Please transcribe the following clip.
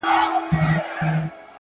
هوډ د ناکامۍ ویره کموي